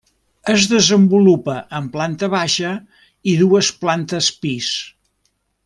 Es desenvolupa en planta baixa i dues plantes pis.